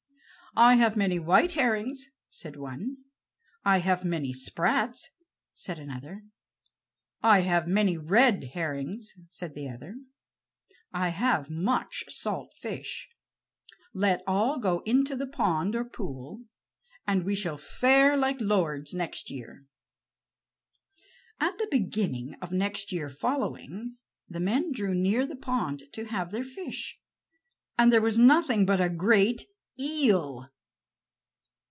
"I have many white herrings," said one. "I have many sprats," said another. "I have many red herrings," said the other. "I have much salt fish. Let all go into the pond or pool, and we shall fare like lords next year." At the beginning of next year following, the men drew near the pond to have their fish, and there was nothing but a great eel.